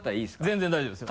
全然大丈夫ですよ。